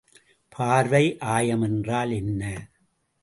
பார்வை ஆயம் என்றால் என்ன?